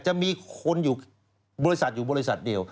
จะมีบริษัทอยู่บริษัทเดียว